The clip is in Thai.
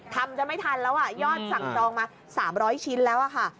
จะไม่ทันแล้วยอดสั่งจองมา๓๐๐ชิ้นแล้วค่ะ